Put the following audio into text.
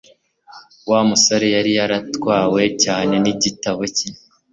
Wa musore yari yaratwawe cyane nigitabo cye